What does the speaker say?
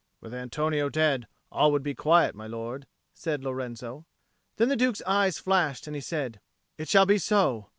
"With Antonio dead, all would be quiet, my lord," said Lorenzo. Then the Duke's eyes flashed and he said, "It shall be so.